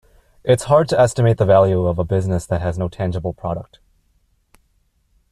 It's hard to estimate the value of a business that has no tangible product.